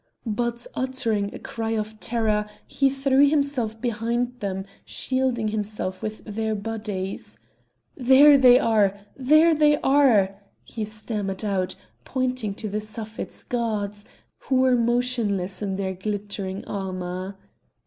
But uttering a cry of terror he threw himself behind them, shielding himself with their bodies. "There they are! There they are!" he stammered out, pointing to the Suffet's guards, who were motionless in their glittering armour.